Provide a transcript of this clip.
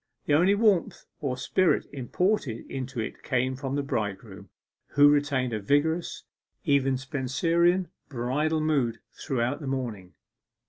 The only warmth or spirit imported into it came from the bridegroom, who retained a vigorous even Spenserian bridal mood throughout the morning.